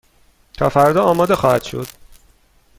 تا فردا آماده خواهد شد.